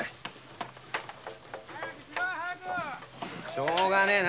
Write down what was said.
しようがねえな